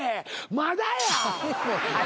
まだや。